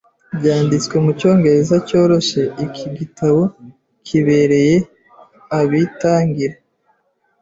Byanditswe mucyongereza cyoroshye, iki gitabo kibereye abitangira.